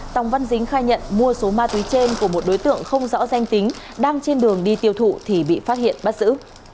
tòng văn dính khai nhận mua số ma túy trên của một đối tượng không rõ danh tính đang trên đường đi tiêu thụ thì bị phát hiện bắt giữ